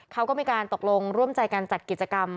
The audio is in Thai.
เขาก็เป็นการตกลงร่วมจ่ายการจัดกิจกรรม